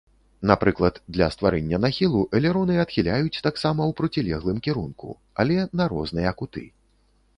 Напрыклад, для стварэння нахілу элероны адхіляюць таксама ў процілеглым кірунку, але на розныя куты.